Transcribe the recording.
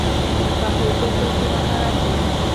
پخو ګوتو کې مهارت وي